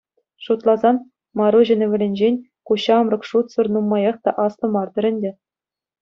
Шутласан, Маруҫӑн ывӑлӗнчен ку ҫамрӑк шутсӑр нумаях та аслӑ мар-тӑр ӗнтӗ.